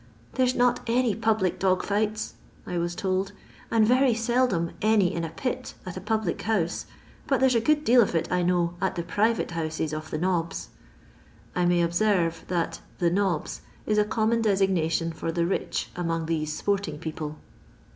" There 's not any public dog fights," I was told, "and very seldom any in a pit at a public house, but there 's a good detd of it, I know, at tht prii'oie hou»t» of the nobs,'* I may observe that the nobs ' is a common designation for the rich among these sport ing people.